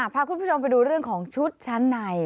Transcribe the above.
พาคุณผู้ชมไปดูเรื่องของชุดชั้นใน